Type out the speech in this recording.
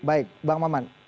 baik bang mamand